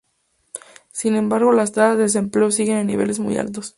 Sin embargo, las tasas de desempleo siguen en niveles muy altos.